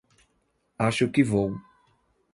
Acho que vou.